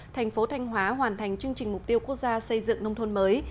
thành phố thanh hóa hoàn thành chương trình mục tiêu quốc gia xây dựng nông thôn mới